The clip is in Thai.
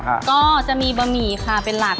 ก็จะมีบะหมี่ค่ะเป็นหลัก